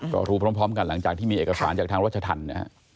ก็รู้พร้อมกันหลังจากที่มีเอกสารจากทางรัชธรรมนะฮะ